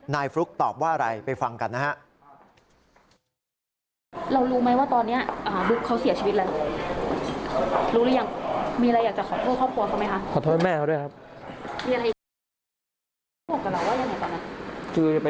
ฟลุ๊กตอบว่าอะไรไปฟังกันนะฮะ